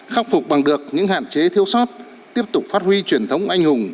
khắc phục bằng được những hạn chế thiêu sót tiếp tục phát huy truyền thống anh hùng